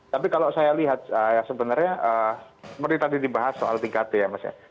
tapi kalau saya lihat sebenarnya seperti tadi dibahas soal tiga t ya mas ya